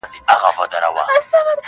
چي سردار دی د ګلونو خو اصیل ګل د ګلاب دی-